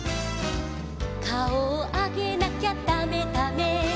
「かおをあげなきゃだめだめ」